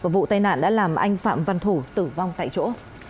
vụ tai nạn đã làm anh phạm văn thủ tử vong tại chỗ